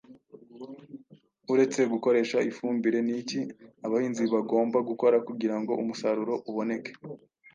Uretse gukoresha ifumbire n’iki abahinzi bagomba gukora kugira ngo umusaruro uboneke?